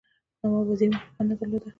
نواب وزیر موافقه نه درلوده.